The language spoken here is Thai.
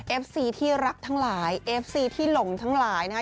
ซีที่รักทั้งหลายเอฟซีที่หลงทั้งหลายนะคะ